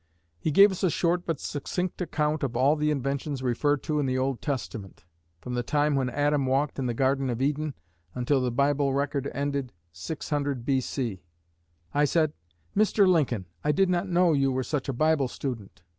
He gave us a short but succinct account of all the inventions referred to in the Old Testament, from the time when Adam walked in the garden of Eden until the Bible record ended, 600 B.C. I said, 'Mr. Lincoln, I did not know you were such a Bible student.'